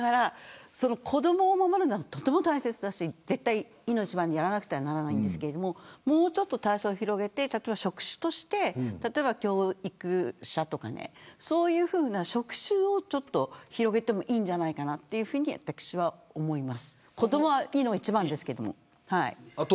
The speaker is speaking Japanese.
子どもを守るのはとても大切だしいの一番にやらなくてはいけないですがもう少し広げて職種として、例えば教育者とかそういう職種を広げてもいいんじゃないかなと私は思います。